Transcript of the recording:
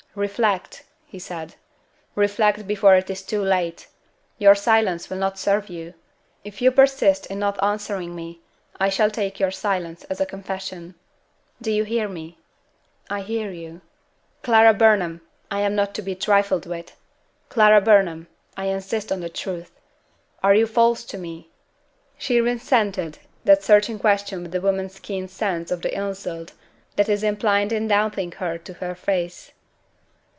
"Reflect," he said, "reflect before it is too late. Your silence will not serve you. If you persist in not answering me, I shall take your silence as a confession. Do you hear me?" "I hear you." "Clara Burnham! I am not to be trifled with. Clara Burnham! I insist on the truth. Are you false to me?" She resented that searching question with a woman's keen sense of the insult that is implied in doubting her to her face.